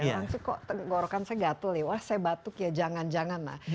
langsung kok tenggorokan saya gatel ya wah saya batuk ya jangan jangan lah